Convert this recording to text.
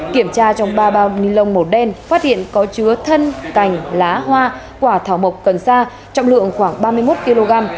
kiểm tra trong ba bao nilon màu đen phát hiện có chứa thân cành lá hoa quả thảo mộc cần xa trọng lượng khoảng ba mươi một kg